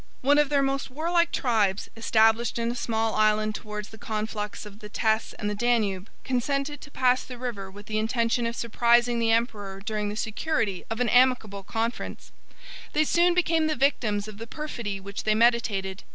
One of their most warlike tribes, established in a small island towards the conflux of the Teyss and the Danube, consented to pass the river with the intention of surprising the emperor during the security of an amicable conference. They soon became the victims of the perfidy which they meditated.